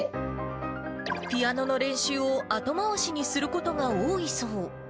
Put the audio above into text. ピアノの練習を後回しにすることが多いそう。